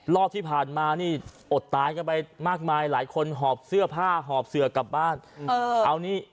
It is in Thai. รอบที่ผ่านมาตายมากมายหอบเสื้อผ้าด้านบ้าน